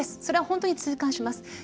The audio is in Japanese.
それは本当に痛感します。